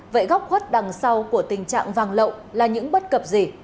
vậy góc khuất đằng sau của tình trạng vàng lậu là những bất cập gì